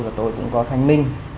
và tôi cũng có thanh minh